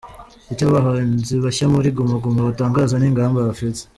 Icyo abahanzi bashya muri Guma Guma batangaza n’ingamba bafite :.